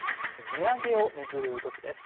値上げを巡る動きです。